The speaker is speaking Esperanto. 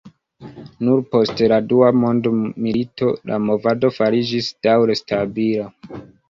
Nur post la dua mondmilito la movado fariĝis daŭre stabila.